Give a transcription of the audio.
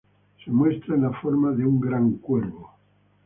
Se muestra en la forma de un gran cuervo.